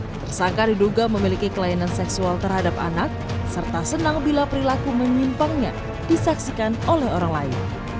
tersangka diduga memiliki kelainan seksual terhadap anak serta senang bila perilaku menyimpangnya disaksikan oleh orang lain